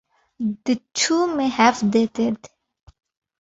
The two may have dated.